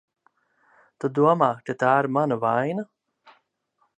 Tu domā, ka tā ir mana vaina?